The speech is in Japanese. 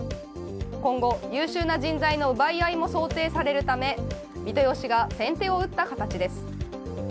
今後、優秀な人材の奪い合いも想定されるため三豊市が先手を打った形です。